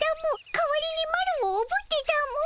かわりにマロをおぶってたも。